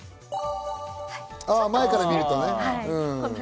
前から見るとね。